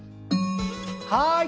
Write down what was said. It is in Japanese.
はい。